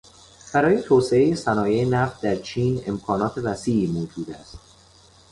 برای توسعهٔ صنایع نفت در چین امکانات وسیعی موجود است.